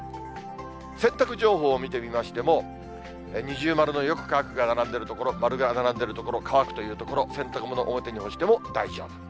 洗濯情報を見てみましても、二重丸のよく乾くが並んでる所、丸が並んでる所、乾くという所、洗濯物、表に干しても大丈夫。